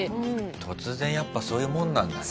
突然やっぱそういうもんなんだね。